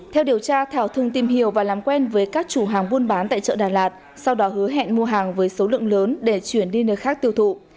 theo điều tra thảo thường tìm hiểu và làm quen với các chủ hàng buôn bán tại chợ đà lạt sau đó hứa hẹn mua hàng với số lượng lớn để chuyển đi nơi khác tiêu thụ